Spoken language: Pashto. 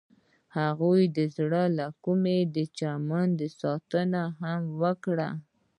هغې د زړه له کومې د چمن ستاینه هم وکړه.